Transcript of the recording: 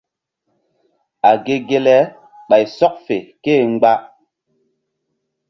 A ge ge le ɓay sɔk fe ké e mgba.